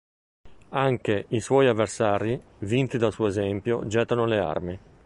Anche i suoi avversari, vinti dal suo esempio, gettano le armi.